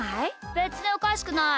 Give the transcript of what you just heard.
べつにおかしくない。